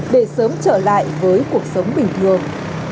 để sớm trở lại với cuộc sống bình thường